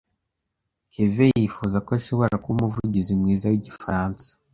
Kevin yifuza ko ashobora kuba umuvugizi mwiza wigifaransa.